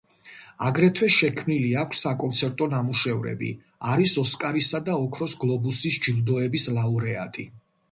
აგრეთვე შექმნილი აქვს საკონცერტო ნამუშევრები არის ოსკარისა და ოქროს გლობუსის ჯილდოების ლაურეატი.